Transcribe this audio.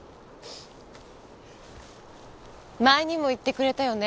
前にも言ってくれたよね。